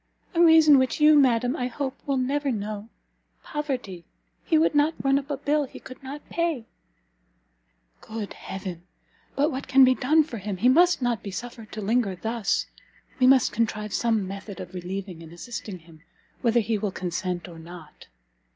"A reason which you, madam, I hope, will never know, Poverty! he would not run up a bill he could not pay." "Good Heaven! But what can be done for him? He must not be suffered to linger thus; we must contrive some method of relieving and assisting him, whether he will consent or not."